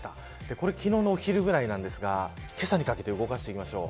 これ昨日のお昼ぐらいなんですがけさにかけて動かしていきましょう。